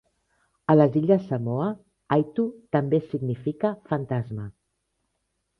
A les illes Samoa, "aitu" també significa fantasma.